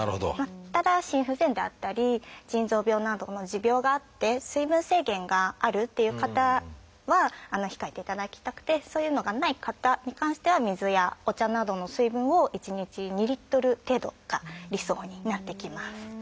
ただ心不全であったり腎臓病などの持病があって水分制限があるっていう方は控えていただきたくてそういうのがない方に関しては水やお茶などの水分を１日２Ｌ程度が理想になってきます。